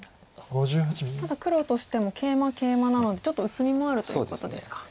ただ黒としてもケイマケイマなのでちょっと薄みもあるということですか。